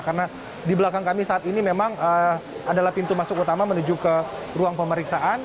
karena di belakang kami saat ini memang adalah pintu masuk utama menuju ke ruang pemeriksaan